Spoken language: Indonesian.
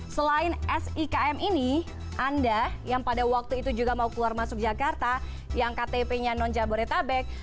selain sikm ini anda yang pada waktu itu juga mau keluar masuk jakarta yang ktp nya non jabodetabek